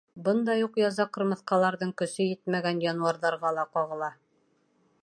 Бындай уҡ яза ҡырмыҫҡаларҙың көсө етмәгән януарҙарға ла ҡағыла.